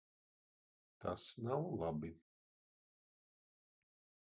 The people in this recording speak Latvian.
Tas nav labi.